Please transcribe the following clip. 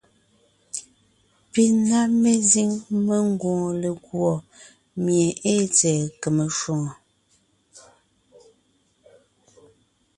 Pi ná mezíŋ mengwoon lekùɔ mie ée tsɛ̀ɛ kème shwòŋo.